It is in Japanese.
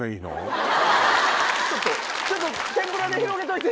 ちょっと天ぷらで広げといて！